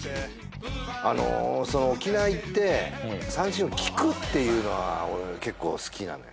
沖縄行って三線を聴くっていうのは結構好きなのよ